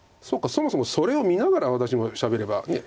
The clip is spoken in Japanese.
そもそもそれを見ながら私もしゃべればねえ？